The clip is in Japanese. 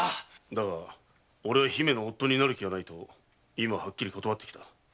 だがおれは姫の夫になる気はないと今はっきりと断ってきた。